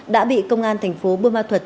đã bị công an thành phố bùa ma thuật